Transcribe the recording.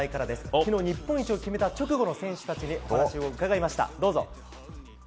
昨日、日本一を決めた直後の選手たちにお話を伺いました。